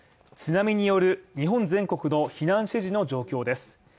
津波による日本全国の避難指示の状況です。